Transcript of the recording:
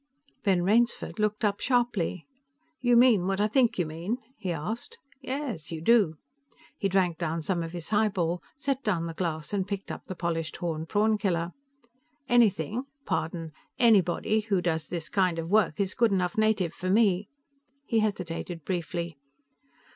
Ben Rainsford looked up sharply. "You mean what I think you mean?" he asked. "Yes; you do." He drank some of his highball, set down the glass and picked up the polished horn prawn killer. "Anything pardon, anybody who does this kind of work is good enough native for me." He hesitated briefly.